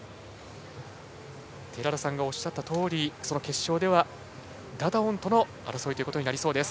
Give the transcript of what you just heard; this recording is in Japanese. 寺田さんがおっしゃったとおり決勝はダダオンとの争いとなりそうです。